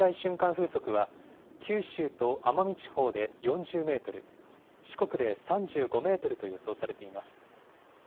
風速は九州と奄美地方で４０メートル、四国で３５メートルと予想されています。